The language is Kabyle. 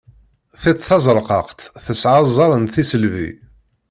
Tiṭ tazeṛqaqt tesɛa aẓar n tisselbi.